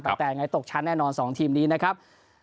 แต่ยังไงตกชั้นแน่นอน๒ทีมนี้นะครับ